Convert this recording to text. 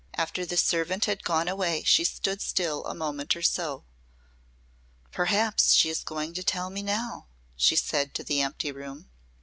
After the servant had gone away she stood still a moment or so. "Perhaps she is going to tell me now," she said to the empty room.